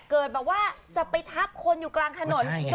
เกิดแบบว่าจะไปทับคนอยู่กลางถนน